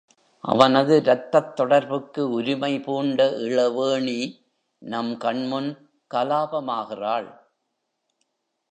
அவனது ரத்தத் தொடர்புக்கு உரிமை பூண்ட இளவேணி நம் கண்முன் கலாபமாகிறாள்.